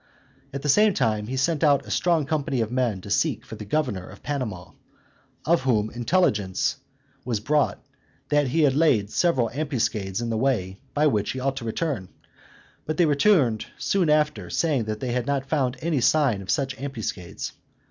At the same time he sent out a strong company of men to seek for the governor of Panama, of whom intelligence was brought, that he had laid several ambuscades in the way by which he ought to return: but they returned soon after, saying they had not found any sign of any such ambuscades.